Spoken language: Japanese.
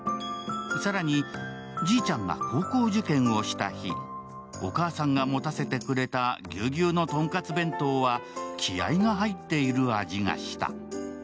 更にじいちゃんが高校受験をした日、お母さんがもたせてくれたぎゅうぎゅうーのトンカツ弁当は気合が入っている味がした。